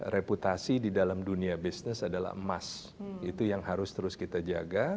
reputasi di dalam dunia bisnis adalah emas itu yang harus terus kita jaga